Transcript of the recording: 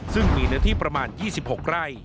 ซึ่งมีเนื้อที่ประมาณ๒๖ไร่